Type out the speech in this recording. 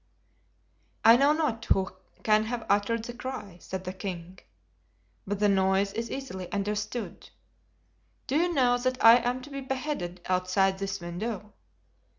"I know not who can have uttered the cry," said the king, "but the noise is easily understood. Do you know that I am to be beheaded outside this window?